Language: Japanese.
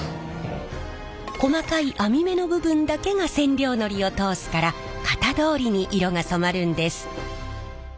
細かい網目の部分だけが染料のりを通すから型どおりに色が染まるんです。